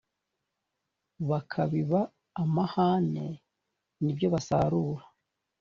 bakabiba amahane ni byo basarura